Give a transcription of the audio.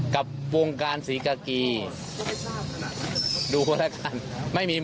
นี่เป็นอาทิตย์หน้าเลยได้ไหม